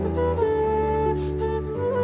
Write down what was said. terima kasih pak hendrik